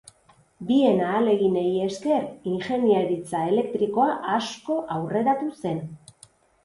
Bien ahaleginei esker ingeniaritza elektrikoa asko aurreratu zen.